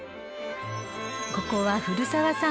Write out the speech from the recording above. ［ここは古澤さん